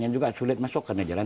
yang juga sulit masuk karena jalan